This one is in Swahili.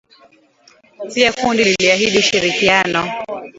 Pia kundi liliahidi ushirikiano